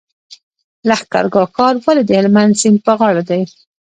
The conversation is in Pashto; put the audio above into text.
لښکرګاه ښار ولې د هلمند سیند په غاړه دی؟